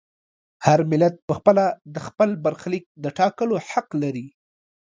هر ملت په خپله د خپل برخلیک د ټاکلو حق لري.